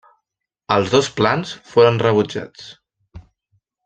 Els dos plans foren rebutjats.